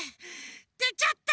でちゃった！